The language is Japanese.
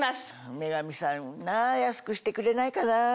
『女神』さん安くしてくれないかな。